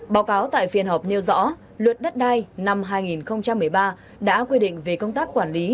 báo cáo tại phiên họp nêu rõ luật đất đai năm hai nghìn một mươi ba đã quy định về công tác quản lý